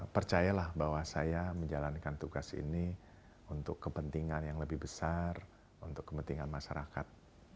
percayalah bahwa saya menjalankan tugas ini untuk kepentingan yang lebih besar untuk kepentingan masyarakat